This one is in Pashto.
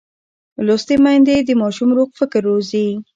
لوستې میندې د ماشوم روغ فکر روزي.